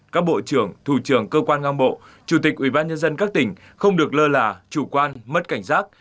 các bộ trưởng thủ trưởng cơ quan ngang bộ chủ tịch ubnd các tỉnh không được lơ là chủ quan mất cảnh giác